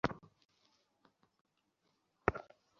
আপনারা এত জলদি উঠে পড়েছেন।